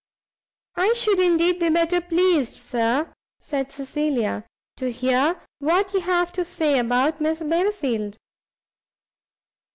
"I should indeed be better pleased, Sir," said Cecilia, "to hear what you have to say about Miss Belfield."